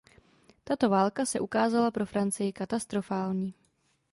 Tato válka se ukázala pro Francii katastrofální.